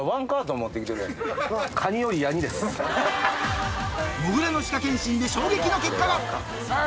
もぐらの歯科検診で衝撃の結果があぁ！